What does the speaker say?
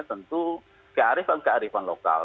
tentu kearifan kearifan lokal